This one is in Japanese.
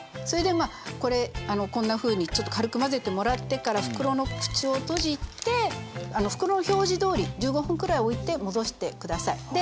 それでまあこれこんなふうにちょっと軽く混ぜてもらってから袋の口を閉じて袋の表示どおり１５分くらいおいて戻して下さい。